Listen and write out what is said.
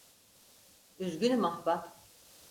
Üzgünüm ahbap.